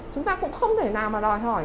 chúng ta cũng không thể nào mà đòi hỏi